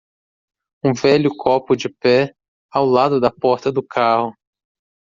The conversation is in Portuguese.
Um velho copo de pé ao lado da porta do carro